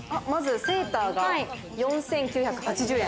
まずセーターが４９８０円。